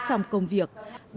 trong công việc